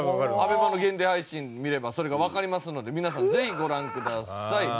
アベマの限定配信見ればそれがわかりますので皆さんぜひご覧ください。